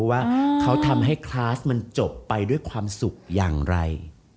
ว่าเขาทำให้คลาสมันจบไปด้วยความสุขอย่างไร